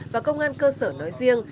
và công an cơ sở nói riêng